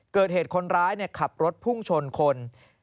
เกิดเหตุคนร้ายขับรถพุ่งชนคน